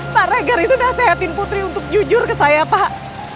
pak reger itu udah sehatin putri untuk jujur ke saya pak